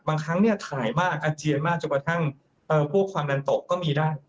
ครั้งเนี่ยถ่ายมากอาเจียนมากจนกระทั่งพวกความดันตกก็มีได้